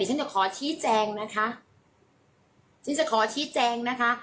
ฉันจะขอชี้แจงนะคะฉันจะขอชี้แจงนะคะ